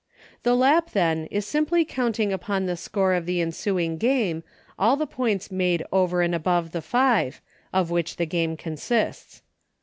The Lap then is simply counting upon the score of the ensuing game all the points made LAP, SLAM, AND JAMBONE. 63 over and above the five, of which the game consists.